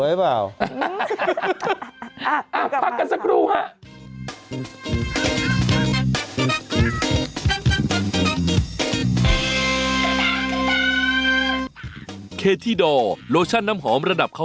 เอ้อพักกันสักครู่ป่าลองอ่านข่าวสอนยอดได้ไหมคะ